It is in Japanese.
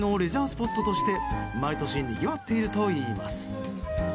スポットとして毎年にぎわっているといいます。